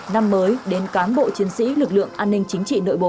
năm mới đến cán bộ chiến sĩ lực lượng an ninh chính trị nội bộ